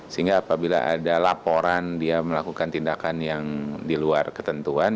sehingga apabila ada laporan dia melakukan tindakan yang di luar ketentuan